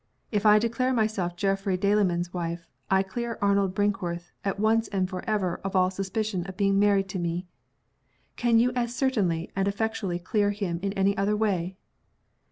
If I declare myself Geoffrey Delamayn's wife, I clear Arnold Brinkworth, at once and forever of all suspicion of being married to me. Can you as certainly and effectually clear him in any other way?